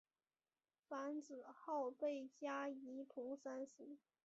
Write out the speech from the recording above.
樊子鹄被加仪同三司。